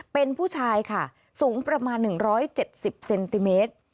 เป็นผู้ชายค่ะสูงประมาณ๑๗๐เซนติเมตร